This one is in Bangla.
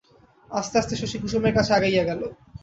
আস্তে আস্তে শশী কুসুমের কাছে আগাইয়া গেল।